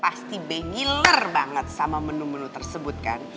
pasti bengiler banget sama menu menu tersebut kan